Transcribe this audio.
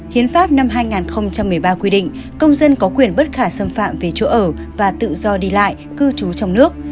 hiến pháp năm hai nghìn một mươi ba quy định công dân có quyền bất khả xâm phạm về chỗ ở và tự do đi lại cư trú trong nước